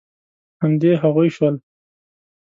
همدې هغوی شول.